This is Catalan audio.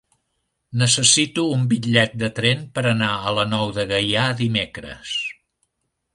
Necessito un bitllet de tren per anar a la Nou de Gaià dimecres.